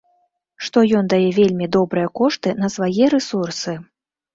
Што ён дае вельмі добрыя кошты на свае рэсурсы.